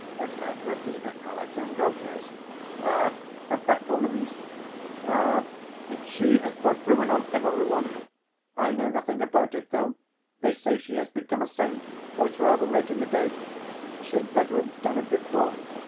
"At Agrafena Alexandrovna's." "At ... at that woman's? Ah, it's she has brought ruin on every one. I know nothing about it though. They say she has become a saint, though it's rather late in the day. She had better have done it before.